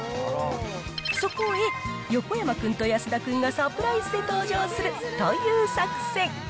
そこへ、横山君と安田君がサプライズで登場するという作戦。